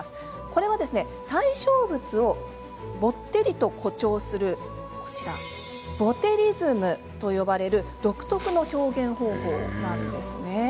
これは対象物をぼってりと誇張する「ボテリズム」と呼ばれる独特の表現方法なんですね。